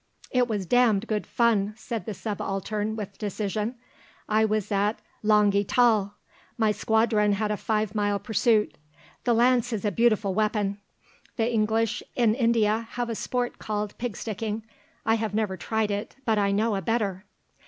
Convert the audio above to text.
"It was damned good fun," said the Subaltern with decision. "I was at Langi Tal. My squadron had a five mile pursuit. The lance is a beautiful weapon. The English in India have a sport called pig sticking; I have never tried it, but I know a better."